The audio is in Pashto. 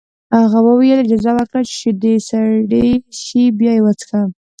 هغه وویل اجازه ورکړه چې شیدې سړې شي بیا یې وڅښه